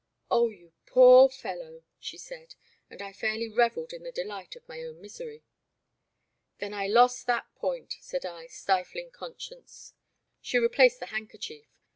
Oh, you poor fellow," she said, and I fairly revelled in the delight of my own misery. Then I lost that point," said I, stifling con science. She replaced the handkerchief.